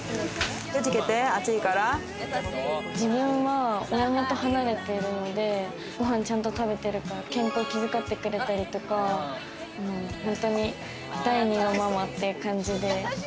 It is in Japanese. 自分は親元離れてるので、ご飯ちゃんと食べてるか、健康を気づかってくれたりとか本当に第２のママっていう感じで。